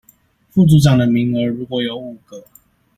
副組長的名額如果有五個